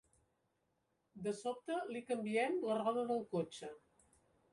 De sobte li canviem la roda del cotxe.